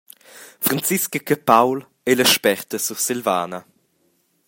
Franzisca Capaul ei la sperta Sursilvana.